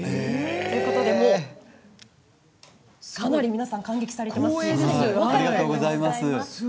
かなり皆さん感激されています。